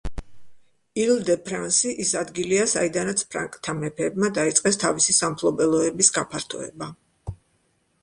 ილ დე ფრანსი ის ადგილია, საიდანაც ფრანკთა მეფეებმა დაიწყეს თავისი სამფლობელოების გაფართოება.